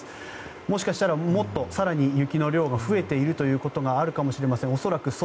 もしかしたらもっと更に雪の量が増えていることがあるかもしれません。